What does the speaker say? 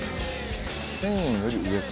１０００円より上か。